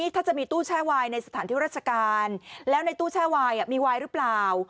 ถ้าจะมีตู้แช่วายในสถานที่ราชการแล้วในตู้แช่วายมีวายหรือเปล่า